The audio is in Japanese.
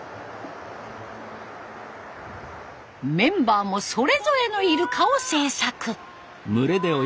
メンバーもそれぞれのイルカを制作。